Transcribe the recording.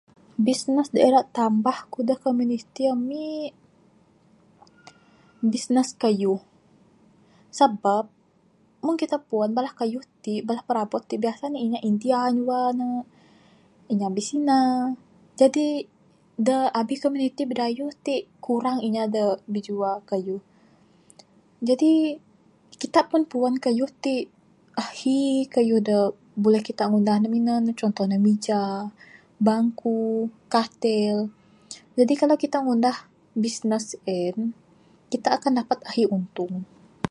Bisnes da ira tambah ku da komuniti ami bisnes kayuh sabab meng kita puan kayuh ti bala perabot ti biasa ne inya india nyua ne inya bisina jadi da abih komuniti bidayuh ti kurang inya da bijua kayuh. Jadi kita pun puan kayuh ti ahi kayuh da buleh kita ngunah ne minan ne contoh ne mija bangku, katel, Jadi kalau kita ngundah bisnes sien kita akan dapat ahi untung.